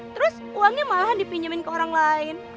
terus uangnya malahan dipinjamin ke orang lain